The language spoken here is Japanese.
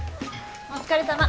お疲れさま。